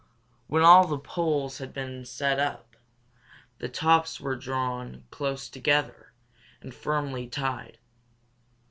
When all the poles had been set up, the tops were drawn close together and firmly tied.